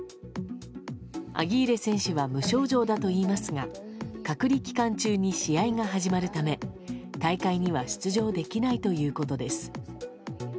アギーレ選手は無症状だといいますが隔離期間中に試合が始まるため大会には出場できないということです。